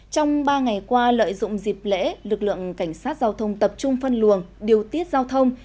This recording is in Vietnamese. trong ba ngày qua lợi dụng dịp lễ lực lượng cảnh sát giao thông tập trung phân luồng điều tiết giao thông